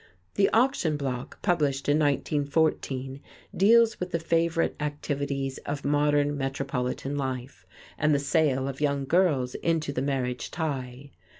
"The Auction Block," published in 1914, deals with the favorite activities of modern Metropolitan life, and the sale of young girls into the marriage tie.